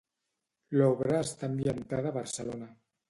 L'obra està ambientada a Barcelona.